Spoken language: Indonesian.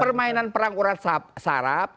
permainan perang urat syarab